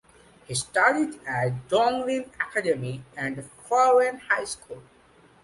He studied at Donglin Academy and Furen High School.